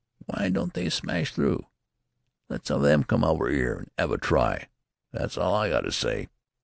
W'y don't they smash through?' Let some of 'em come out 'ere an' 'ave a try! That's all I got to s'y."